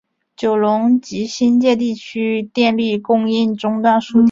九龙及新界地区电力供应中断数天。